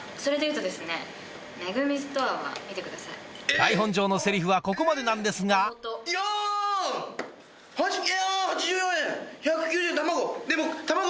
台本上のセリフはここまでなんですがカット。